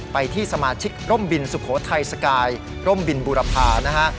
ไปที่สมาชิกร่มบินสุโขทัยสกายร่มบินบุรพานะฮะ